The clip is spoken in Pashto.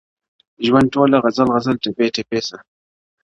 ژونده ټول غزل عزل ټپې ټپې سه،